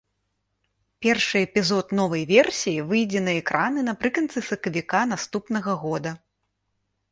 Першы эпізод новай версіі выйдзе на экраны напрыканцы сакавіка наступнага года.